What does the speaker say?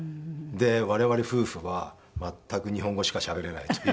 で我々夫婦は全く日本語しかしゃべれないという。